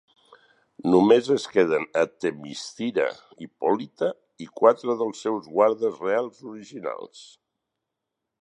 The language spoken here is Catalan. Només es queden a Themyscira Hippolyta i quatre dels seus guardes reals originals.